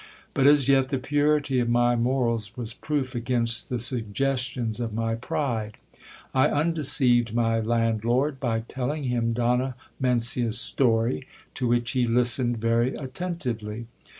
But as yet the purity of my morals was proof against the suggestions of my pride. I undeceived my landlord, by telling him Donna Mencia's story, to which he listened very attentively.